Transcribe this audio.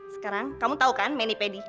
sekarang kamu tahu kan menipedi